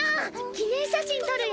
記念写真撮るよ。